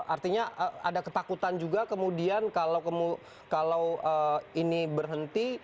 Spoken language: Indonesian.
artinya ada ketakutan juga kemudian kalau ini berhenti